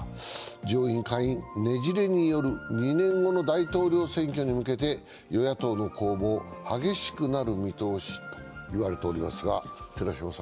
上院・下院、ねじれにより２年後の大統領選に向けて与野党の攻防、激しくなる見通しと言われております。